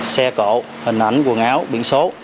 xe cổ hình ảnh quần áo biển số